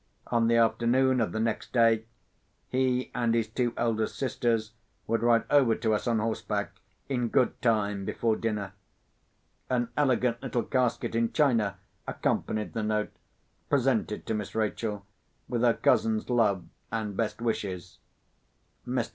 On the afternoon of the next day, he and his two eldest sisters would ride over to us on horseback, in good time before dinner. An elegant little casket in china accompanied the note, presented to Miss Rachel, with her cousin's love and best wishes. Mr.